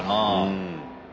うん。